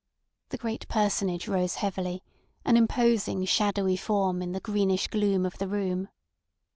The great personage rose heavily, an imposing shadowy form in the greenish gloom of the room.